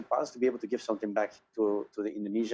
saya pikir dengan pasangan indonesia